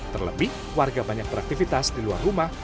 terlebih warga banyak beraktivitas di luar rumah